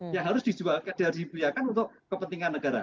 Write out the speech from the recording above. yang harus dijual dihubungi untuk kepentingan negara